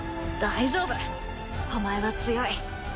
大丈夫お前は強い。